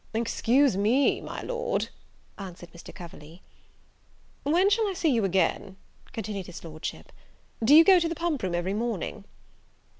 "Excuse me, my Lord," answered Mr. Coverley. "When shall I see you again?" continued his Lordship; "do you go to the pump room every morning?"